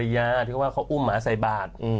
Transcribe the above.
ที่เขาบอกว่าเขาอุ้มหมาใส่บาตร